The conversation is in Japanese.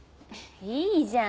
いいじゃん。